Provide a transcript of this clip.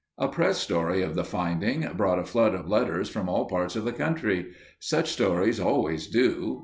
A press story of the finding brought a flood of letters from all parts of the country. Such stories always do.